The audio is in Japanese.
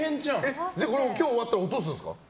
今日終わったら落とすんですか。